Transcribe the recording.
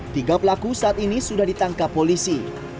tiga pelaku saat ini sudah ditangkap polisi